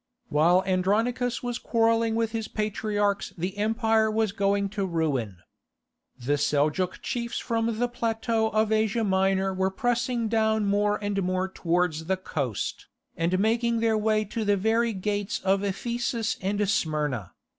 While Andronicus was quarrelling with his patriarchs the empire was going to ruin. The Seljouk chiefs from the plateau of Asia Minor were pressing down more and more towards the coast, and making their way to the very gates of Ephesus and Smyrna.